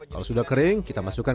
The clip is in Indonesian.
kalau sudah kering kita masuk ke dalam